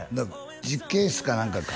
実験室か何かか？